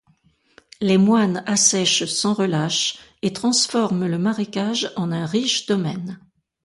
Les moines assèchent sans relâche et transforment le marécage en un riche domaine.